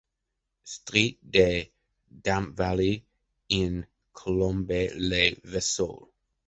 Street De Dampvalley in Colombe-lès-Vesoul.